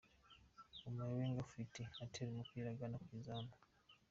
Ombolenga Fitin atera umupira ugana ku izamu.